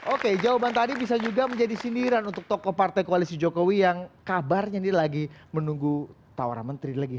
oke jawaban tadi bisa juga menjadi sindiran untuk tokoh partai koalisi jokowi yang kabarnya ini lagi menunggu tawaran menteri lagi